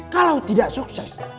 kalau tidak sukses